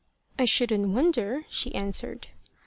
"I shouldn't wonder," she answered.